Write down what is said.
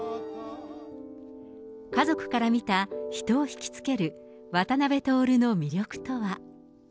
家族から見た人を引き付ける渡辺徹の魅力とは。